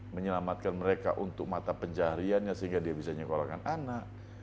menyelamatkan mereka untuk mata pencahariannya sehingga dia bisa nyekolahkan anak